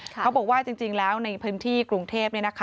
เขาบอกว่าจริงแล้วในพื้นที่กรุงเทพ